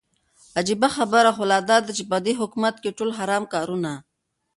عجيبه خبره خو لا داده چې په دې حكومت كې ټول حرام كارونه